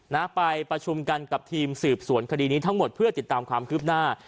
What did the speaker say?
นะไปประชุมกันกับทีมสืบสวนคดีนี้ทั้งหมดเพื่อติดตามความคืบหน้า